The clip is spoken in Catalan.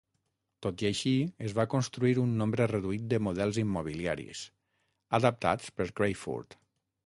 Tot i així, es va construir un nombre reduït de models immobiliaris, adaptats per Crayford.